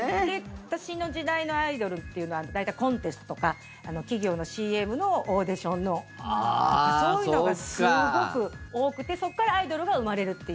私の時代のアイドルっていうのは大体、コンテストとか企業のＣＭのオーディションとかそういうのがすごく多くてそこからアイドルが生まれるっていう。